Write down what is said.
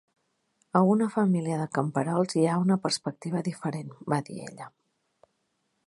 "A una família de camperols hi ha una perspectiva diferent", va dir ella,